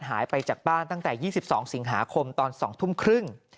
หายไปจากบ้านตั้งแต่๒๒สิงหาคมตอน๒ทุ่มครึ่ง